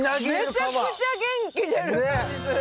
めちゃくちゃ元気出る感じする。